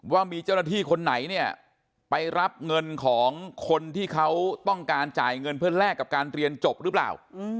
ว่ามีเจ้าหน้าที่คนไหนเนี่ยไปรับเงินของคนที่เขาต้องการจ่ายเงินเพื่อแลกกับการเรียนจบหรือเปล่า